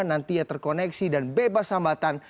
nantinya terkoneksi dan bebas hambatan